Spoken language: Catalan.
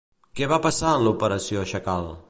Què va passar en l'operació Chacal?